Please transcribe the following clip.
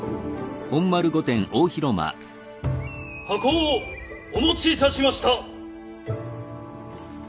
箱をお持ちいたしました。